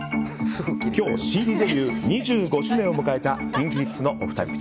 今日ＣＤデビュー２５周年を迎えたＫｉｎＫｉＫｉｄｓのお二人。